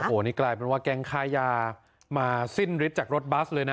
โอ้โหนี่กลายเป็นว่าแก๊งค่ายามาสิ้นฤทธิ์จากรถบัสเลยนะ